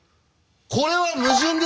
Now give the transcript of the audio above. これは矛盾です！